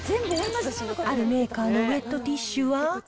あるメーカーのウエットティッシュは。